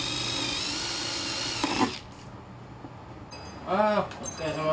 あお疲れさま。